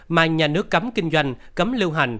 mà nhà nước cấm kinh doanh cấm lưu hành